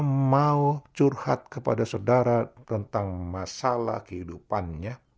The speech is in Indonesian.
seseorang mau curhat kepada saudara tentang masalah kehidupannya